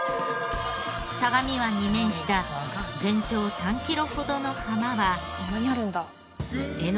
相模湾に面した全長３キロほどの浜は。